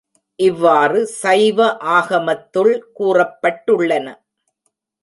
இவ்வாறு சைவ ஆகமத்துள் கூறப்பட்டுள்ளன.